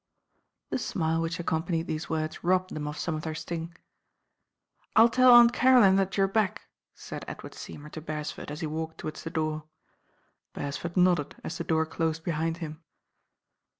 The smile which accompanied these words robbed them of some of their sting. "rU tell Aunt Caroline that you're back," said Edward Seymour to Beresford as he walked toward* the door. Beresford nodded as the door closed behind him.